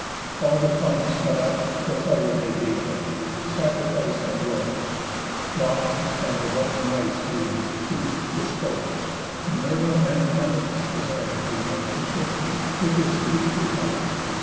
All the tongues cut up, The fire they gave them, sacrific'd, and rose, Wine, and divine rites us'd, to each dispose; Minerva and Telemachus desir'd They might to ship be, with his leave, retir'd.